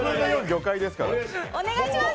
魚介、お願いします。